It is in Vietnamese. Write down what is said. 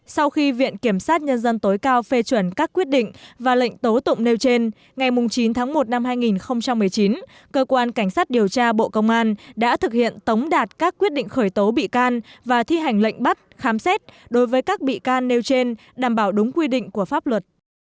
sau khi viện kiểm sát nhân dân tối cao phê chuẩn các quyết định và lệnh tố tụng nêu trên ngày chín tháng một năm hai nghìn một mươi chín cơ quan cảnh sát điều tra bộ công an đã thực hiện tống đạt các quyết định khởi tố bị can và thi hành lệnh bắt khám xét đối với các bị can nêu trên đảm bảo đúng quy định của pháp luật